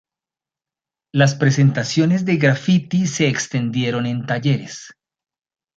La presentaciones de grafiti se extendieron en talleres.